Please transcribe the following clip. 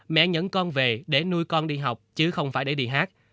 mẹ nhẫn con về để nuôi con đi học chứ không phải để đi hát